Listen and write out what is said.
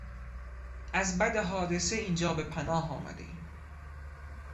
از بد حادثه اینجا به پناه آمدهایم